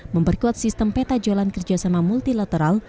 memperkuat sistem peta jalan kerjasama multilateral